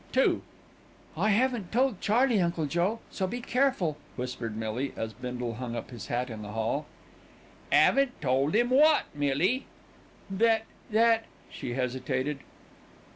II "I haven't told Charley, Uncle Joe, so be careful," whispered Millie, as Bindle hung up his hat in the hall. "'Aven't told 'im wot, Millie?" "That that " she hesitated.